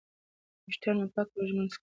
ویښتان مو پاک او ږمنځ کړئ.